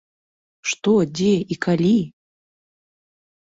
Што, дзе і калі?